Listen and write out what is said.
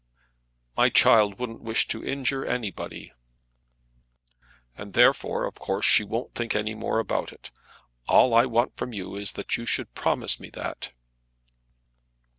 "My child wouldn't wish to injure anybody." "And therefore, of course, she won't think any more about it. All I want from you is that you should promise me that."